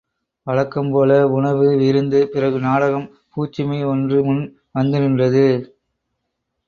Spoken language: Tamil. வழக்கம் போல உணவு, விருந்து, பிறகு நாடகம் பூச்சுமை ஒன்று முன் வந்து நின்றது.